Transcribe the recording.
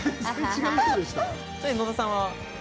野田さんは？